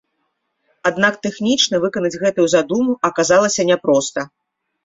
Аднак тэхнічна выканаць гэтую задуму аказалася няпроста.